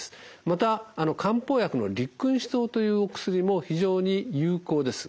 また漢方薬の六君子湯というお薬も非常に有効です。